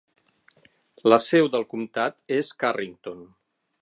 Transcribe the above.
La seu del comtat és Carrington.